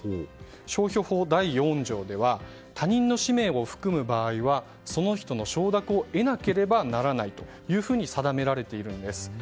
商標法第４条では他人の氏名を含む場合はその人の承諾を得なければならないというふうに定められているんです。